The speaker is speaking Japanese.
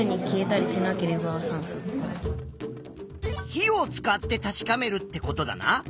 火を使って確かめるってことだな。